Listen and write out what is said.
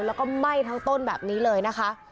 แล้วก็ไหม้ทั้งต้นแบบนี้เลยนะคะ